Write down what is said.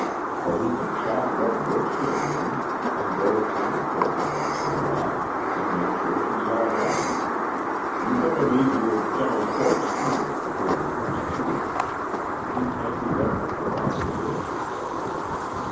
But he can chop what wood she'll need, and go to town for her once in a while, and make sure she's all right. You better leave your gentlest horse here for her to use, too. She can't be left afoot out here."